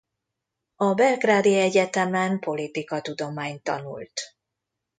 A Belgrádi Egyetemen politikatudományt tanult.